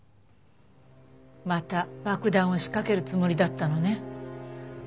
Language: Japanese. また爆弾を仕掛けるつもりだったのね。